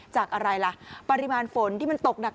จากอะไรล่ะปริมาณฝนที่มันตกหนัก